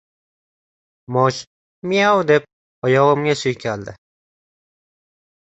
Mosh «miyov» deb oyog‘imga suykaldi.